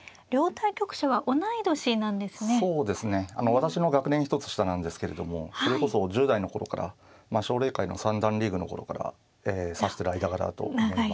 私の学年１つ下なんですけれどもそれこそ１０代の頃から奨励会の三段リーグの頃から指してる間柄だと思います。